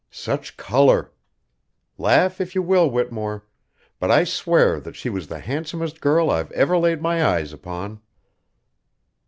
Such color! Laugh if you will, Whittemore, but I swear that she was the handsomest girl I've ever laid my eyes upon!"